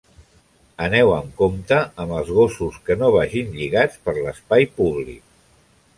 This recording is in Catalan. Aneu amb compte amb els gossos que no vagin lligats per l'espai públic.